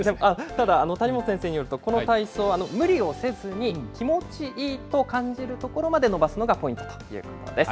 ただ、谷本先生によるとこの体操、無理をせずに気持ちいいと感じるところまで伸ばすのがポイントだということです。